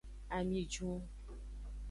Ami jun.